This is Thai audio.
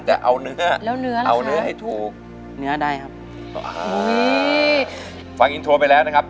จะเอาเนื้อแล้วเนื้อเอาเนื้อให้ถูกเนื้อได้ครับนี่ฟังอินโทรไปแล้วนะครับ